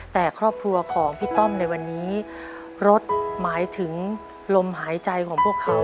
แต่ครอบครัวของพี่ต้อมในวันนี้รถหมายถึงลมหายใจของพวกเขา